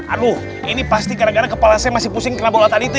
aduh ini pasti gara gara kepala saya masih pusing karena bau latar itu